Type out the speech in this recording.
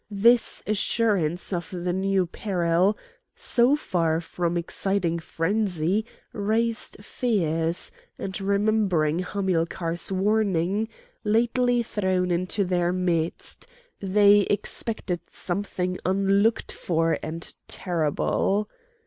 This assurance of the new peril, so far from exciting frenzy, raised fears; and remembering Hamilcar's warning, lately thrown into their midst, they expected something unlooked for and terrible.